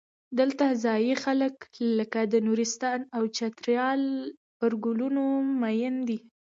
دلته ځايي خلک لکه د نورستان او چترال پر ګلونو مین دي.